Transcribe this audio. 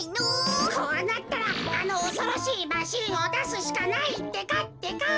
こうなったらあのおそろしいマシンをだすしかないってかってか。